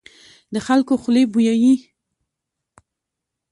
د خلکو خولې بويي.